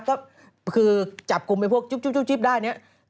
ก็คือจับกลุ่มไอ้พวกจุ๊บได้เนี่ย